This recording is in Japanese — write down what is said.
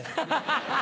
ハハハハ。